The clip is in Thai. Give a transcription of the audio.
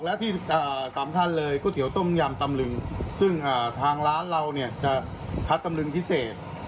และที่สำคัญเลยก๋วยเตี๋ยวต้มยำตำลึงซึ่งทางร้านเราเนี่ยจะคัดตำลึงพิเศษ